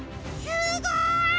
すごーい。